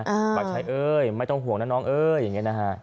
ปากใช้เอ้ยไม่ต้องห่วงนะน้องเอ้ยอย่างนี้นะฮะ